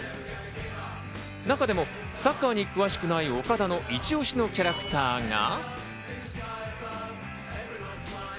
中でもサッカーに詳しくない岡田のイチオシのキャラクターが。